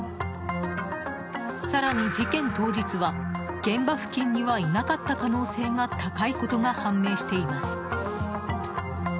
更に、事件当日は現場付近にはいなかった可能性が高いことが判明しています。